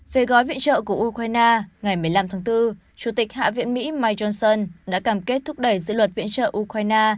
về gói viện trợ của ukraine ngày một mươi năm tháng bốn chủ tịch hạ viện mỹ mike johnson đã cam kết thúc đẩy dự luật viện trợ ukraine